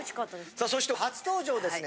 さあそして初登場ですね